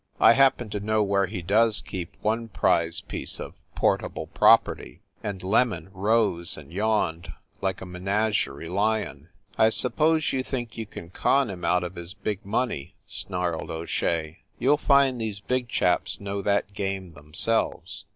"I happen to know where he does keep one prize piece of portable property." And "Lem on" rose and yawned like a menagerie lion. "I suppose you think you can con him out of his money," snarled O Shea. "You ll find these big chaps know that game themselves."